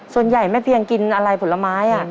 ส่วนใหญ่ไม่เพียงกินอะไรผลไม้